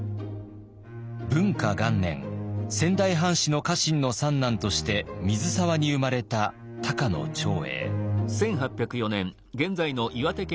仙台藩士の家臣の三男として水沢に生まれた高野長英。